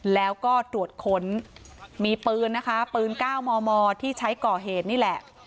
แล้วก็ตรวจค้นมีปืนนะคะปืน๙มมที่ใช้ก่อเหตุนี่แหละ